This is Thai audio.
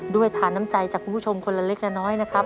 ด้วยทานน้ำใจจากคุณผู้ชมคนละเล็กละน้อยนะครับ